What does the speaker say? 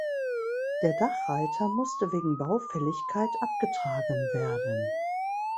Der Dachreiter musste wegen Baufälligkeit abgetragen werden.